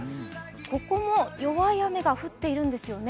ここも弱い雨が降っているんですよね。